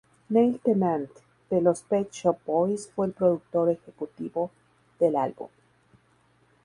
Neil Tennant, de los Pet Shop Boys fue el productor ejecutivo del álbum.